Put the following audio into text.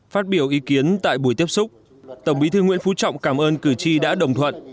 phát biểu ý kiến tại buổi tiếp xúc tổng bí thư nguyễn phú trọng cảm ơn cử tri đã đồng thuận